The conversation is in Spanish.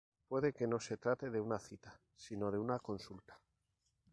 Puede que no se trate de una cita sino de una consulta.